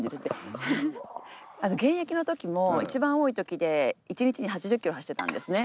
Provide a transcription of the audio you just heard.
現役の時も一番多い時で１日に８０ｋｍ走ってたんですね。